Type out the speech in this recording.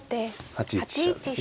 ８一飛車ですね。